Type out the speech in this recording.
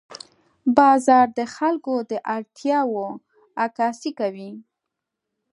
بازار د خلکو د اړتیاوو عکاسي کوي.